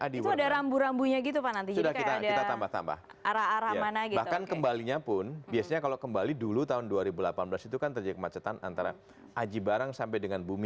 di kalikangkung juga nanti rawan